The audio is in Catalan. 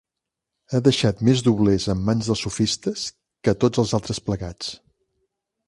Ha deixat més doblers en mans dels sofistes que tots els altres plegats;